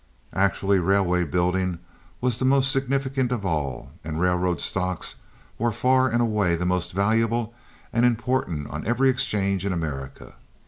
Actually railway building was the most significant of all, and railroad stocks were far and away the most valuable and important on every exchange in America.